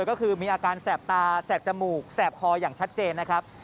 ก็คือมีอาการแสบตาแสบจมูกแสบคออย่างชัดเจนนะครับ